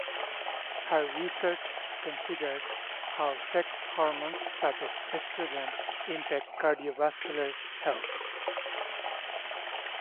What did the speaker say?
Her research considers how sex hormones such as estrogen impact cardiovascular health.